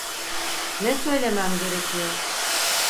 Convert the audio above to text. Ne söylemem gerekiyor?